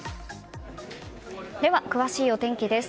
では詳しいお天気です。